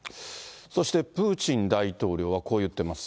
そしてプーチン大統領はこう言ってます。